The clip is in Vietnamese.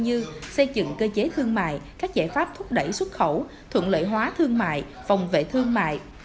như xây dựng cơ chế thương mại các giải pháp thúc đẩy xuất khẩu thuận lợi hóa thương mại phòng vệ thương mại